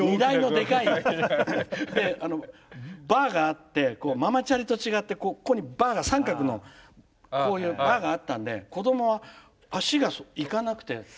でバーがあってこうママチャリと違ってここにバーが三角のこういうバーがあったんで子どもは足がいかなくて。